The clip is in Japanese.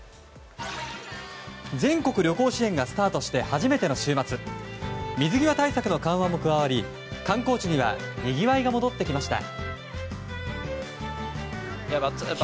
全国旅行支援がスタートして初めての週末水際対策の緩和も加わり観光地にはにぎわいが戻ってきました。